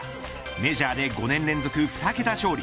メジャーで５年連続２桁勝利。